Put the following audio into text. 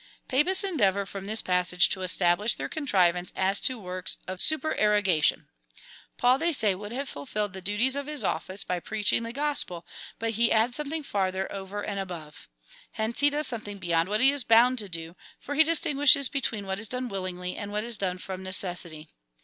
SOS Papists endeavour from this passage to establish their contrivance as to works of supererogation} " Paul/' they say, " would have fulfilled the duties of his office by preach ing the gospel, but he adds something farther over and above. Hence he does something beyond what he is bound to do, for he distinguishes between what is done willingly and what is done from necessity.''